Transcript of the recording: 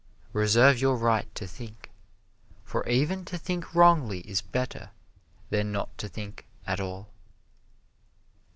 "Reserve your right to think, for even to think wrongly is better than not to think at all."